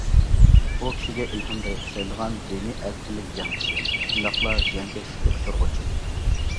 ئۇ كىشىگە ئىلھام بېغىشلايدىغان دىنىي ئەركىنلىك جەڭچىسى، شۇنداقلا زىيانكەشلىككە ئۇچرىغۇچى.